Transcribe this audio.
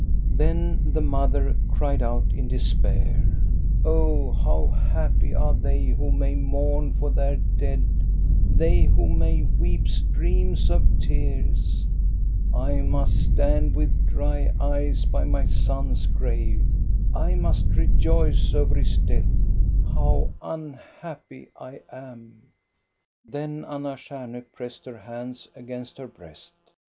Then the mother cried out in despair :—" Oh, how happy are they who may mourn for their dead, they who may weep streams of tears ! 1 DEATH, THE DELIVERER 373 must stand with dry eyes by my son's grave, I must rejoice over his death ! How unhappy I am !" Then Anna Stjarnhok pressed her hands against her breast.